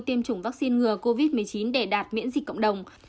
tiêm chủng vaccine ngừa covid một mươi chín để đạt miễn dịch cộng đồng